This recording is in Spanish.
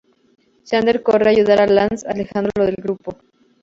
Xander corre a ayudar a Lance alejándolo del grupo.